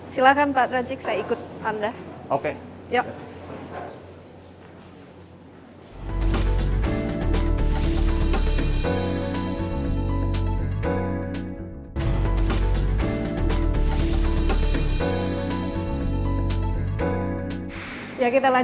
silahkan pak najik saya ikut anda